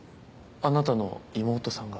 あなたの妹さんが？